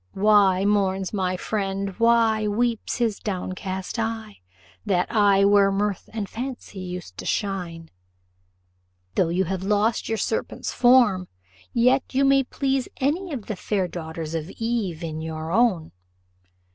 'Why mourns my friend, why weeps his downcast eye? That eye where mirth and fancy used to shine.' Though you have lost your serpent's form, yet you may please any of the fair daughters of Eve in your own."